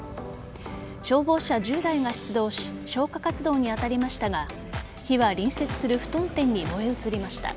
消防車１０台が出動し消火活動に当たりましたが火は隣接する布団店に燃え移りました。